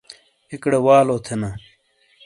ایکیڑے والو تھینا۔